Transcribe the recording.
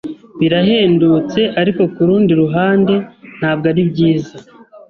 Birahendutse, ariko kurundi ruhande ntabwo ari byiza.